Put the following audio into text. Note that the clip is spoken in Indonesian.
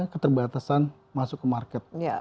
keterbatasan masuk ke market